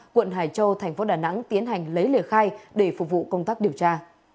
quận hải châu tp đà nẵng tiến hành lấy lề khai để phục vụ công tác điều tra